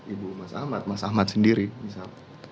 ibu mas ahmad mas ahmad sendiri misal